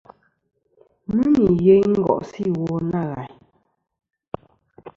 Mɨ nì yeyn ngo'sɨ iwo nâ ghàyn.